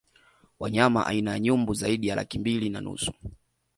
Wanyama aina ya Nyumbu zaidi ya laki mbili na nusu